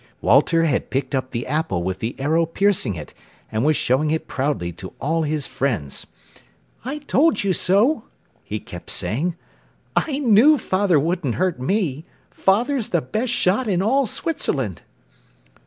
Walter had picked up the apple with the arrow piercing it, and was showing it proudly to all his friends. "I told you so," he kept saying; "I knew father wouldn't hurt me. Father's the best shot in all Switzerland."